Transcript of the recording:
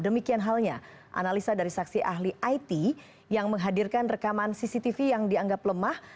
demikian halnya analisa dari saksi ahli it yang menghadirkan rekaman cctv yang dianggap lemah